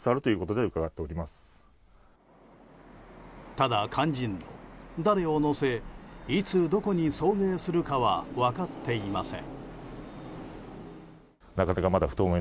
ただ肝心の、誰を乗せいつ、どこに送迎するかは分かっていません。